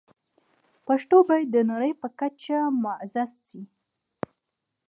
پښتو باید د نړۍ په کچه معزز شي.